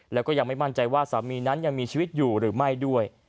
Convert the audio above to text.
แล้วก็ยังไม่มั่นใจว่าสามีนั้นยังมีชีวิตอยู่หรือไม่ด้วย